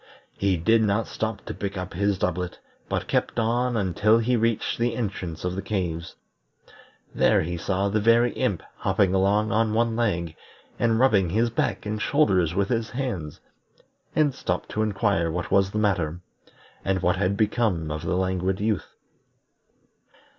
He did not stop to pick up his doublet, but kept on until he reached the entrance of the caves. There he saw the Very Imp hopping along on one leg, and rubbing his back and shoulders with his hands, and stopped to inquire what was the matter, and what had become of the Languid Youth.